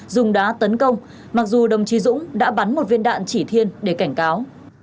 dùng đá tấn công mặc dù đồng chí dũng đã bắn một viên đạn chỉ thiên để cảnh cáo